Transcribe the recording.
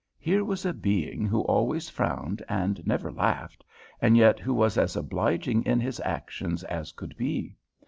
Here was a being who always frowned and never laughed, and yet who was as obliging in his actions as could be.